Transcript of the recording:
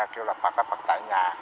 kêu là phật ở phật tại nhà